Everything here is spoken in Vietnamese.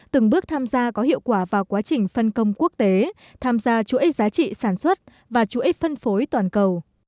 từng bước tham gia có hiệu quả vào quá trình phân công quốc tế tham gia chuỗi giá trị sản xuất và chuỗi phân phối toàn cầu